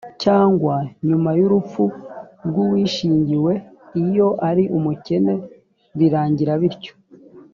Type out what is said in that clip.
cyangwa nyuma y’urupfu rw’uwishingiwe iyo ari umukene birangira bityo‽